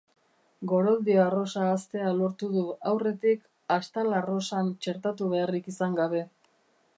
Goroldio-arrosa haztea lortu du, aurretik astalarrosan txertatu beharrik izan gabe.